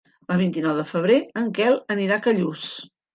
El vint-i-nou de febrer en Quel anirà a Callús.